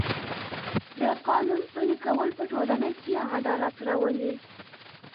د قانون پلي کول په ټولنه کې عدالت راولي.